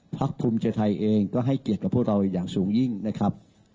ภูมิใจไทยเองก็ให้เกียรติกับพวกเราอย่างสูงยิ่งนะครับ